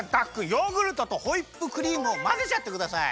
ヨーグルトとホイップクリームをまぜちゃってください！